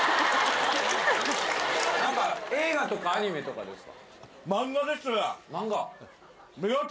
何か映画とかアニメとかですか？